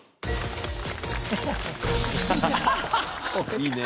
いいね。